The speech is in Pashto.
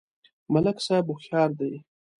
ملک صاحب هوښیار دی.